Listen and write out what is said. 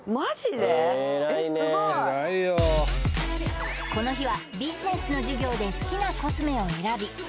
へえ偉いね偉いよこの日はビジネスの授業で好きなコスメを選び